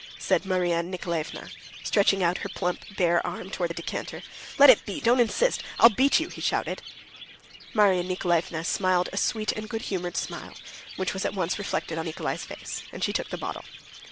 said Marya Nikolaevna, stretching out her plump, bare arm towards the decanter. "Let it be! Don't insist! I'll beat you!" he shouted. Marya Nikolaevna smiled a sweet and good humored smile, which was at once reflected on Nikolay's face, and she took the bottle.